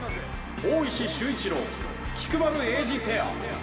大石秀一郎・菊丸英二ペア。